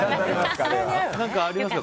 何かありますか？